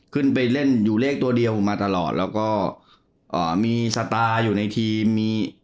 ขึ้นไปเล่นอยู่เลขตัวเดียวมาตลอดแล้วก็อ่ามีสตาร์อยู่ในทีมมี